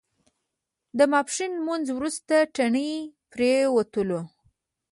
د ماسپښین لمونځ وروسته تڼۍ پرېوتلو.